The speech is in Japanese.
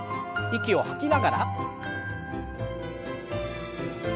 息を吐きながら。